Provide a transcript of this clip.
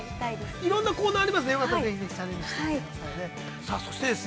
◆いろんなコーナーがありますので、ぜひチャレンジしてみてくださいね。